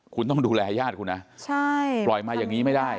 คุณต้องดูแลญาติคุณนะใช่ปล่อยมาอย่างนี้ไม่ได้